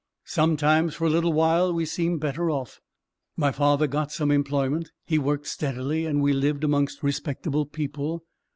Sometimes, for a little while, we seemed better off. My father got some employment; he worked steadily; and we lived amongst respectable people.